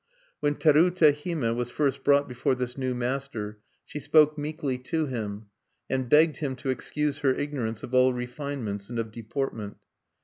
When Terute Hime was first brought before this new master, she spoke meekly to him, and begged him to excuse her ignorance of all refinements and of deportment.